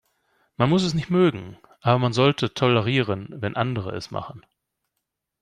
Man muss es nicht mögen, aber man sollte tolerieren, wenn andere es machen.